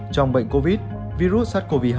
trong bệnh covid virus sars cov hai